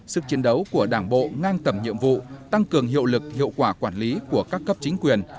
sức chiến đấu của đảng bộ ngang tầm nhiệm vụ tăng cường hiệu lực hiệu quả quản lý của các cấp chính quyền